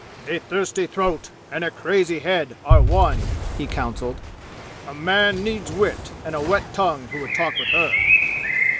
"A thirsty throat and a crazy head are one," he counseled. "A man needs wit and a wet tongue who would talk with her!"